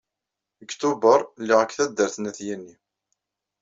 Deg Tubeṛ, lliɣ deg taddart n At Yanni.